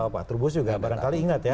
pak trubus juga barangkali ingat ya